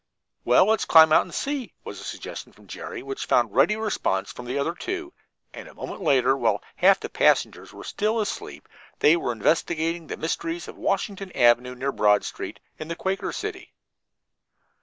"Well, let's climb out and see," was a suggestion from Jerry which found ready response in the other two; and a moment later, while half the passengers were still asleep, they were investigating the mysteries of Washington Avenue, near Broad Street, in the Quaker City.